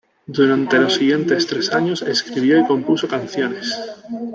Durante los siguientes tres años escribió y compuso canciones.